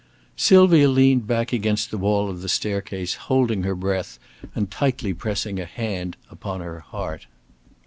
Sylvia leaned back against the wall of the staircase, holding her breath, and tightly pressing a hand upon her heart.